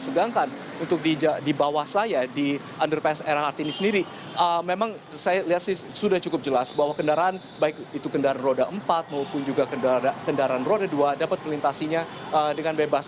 sedangkan untuk di bawah saya di underpass lrt ini sendiri memang saya lihat sudah cukup jelas bahwa kendaraan baik itu kendaraan roda empat maupun juga kendaraan roda dua dapat melintasinya dengan bebas